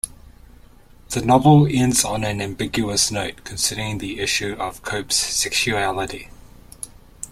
The novel ends on an ambiguous note concerning the issue of Cope's sexuality.